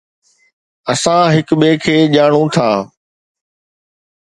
اسان هڪ ٻئي کي ڄاڻون ٿا